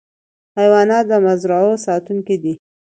حیوانات د مزرعو ساتونکي دي.